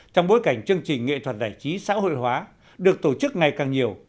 trong bối cảnh chương trình nghệ thuật giải trí xã hội hóa được tổ chức ngày càng nhiều